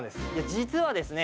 実はですね